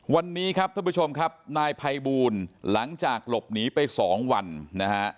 วันนี้ครับท่านผู้ชมครับนายภัยบูลหลังจากหลบหนีไปสองวันนะฮะ